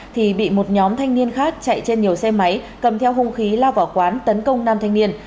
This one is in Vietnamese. thì bị một nhóm thanh niên khác chạy trên nhiều xe máy cầm theo hung khí lao vào quán tấn công nam thanh niên